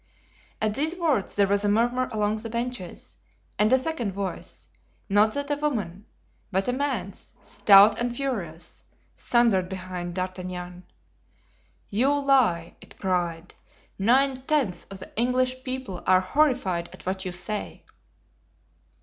At these words there was a murmur along the benches, and a second voice, not that of a woman, but a man's, stout and furious, thundered behind D'Artagnan. "You lie!" it cried. "Nine tenths of the English people are horrified at what you say."